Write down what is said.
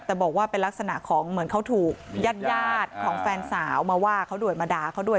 แต่บอกว่าเป็นลักษณะของเหมือนเขาถูกญาติของแฟนสาวมาว่าเขาด้วยมาด่าเขาด้วย